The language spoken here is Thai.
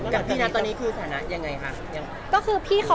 กับพี่นะตอนนี้คือสถานะยังไงคะ